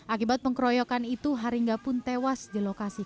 akibat pengkroyokan itu haringga pun tewas di lokasi kejadian